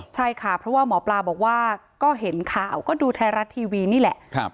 ใช่ค่ะเพราะว่าหมอปลาบอกว่าก็เห็นข่าวก็ดูไทยรัฐทีวีนี่แหละ